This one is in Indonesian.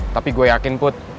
tapi gue yakin put